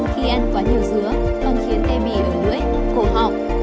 khi ăn quá nhiều dứa còn khiến tê bì ứng lưỡi cổ họng